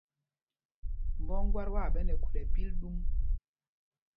Mbɔ ŋgát waa ɓɛ nɛ khul ɛ́pil ɗum.